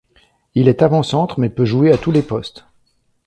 Il est avant-centre mais peut jouer à tous les postes.